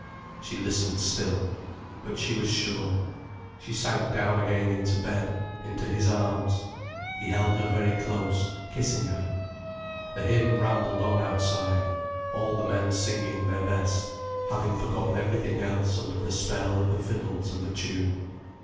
She listened still. But she was sure. She sank down again into bed, into his arms. He held her very close, kissing her. The hymn rambled on outside, all the men singing their best, having forgotten everything else under the spell of the fiddles and the tune.